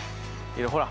ほら。